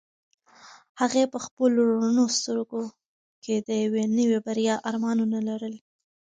هغې په خپلو رڼو سترګو کې د یوې نوې بریا ارمانونه لرل.